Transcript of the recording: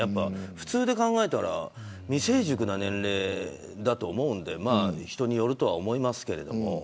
普通に考えたら未成熟な年齢だと思うので人によるとは思いますが。